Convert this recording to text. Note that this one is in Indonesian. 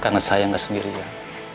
karena saya nggak sendirian